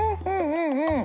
うんうん。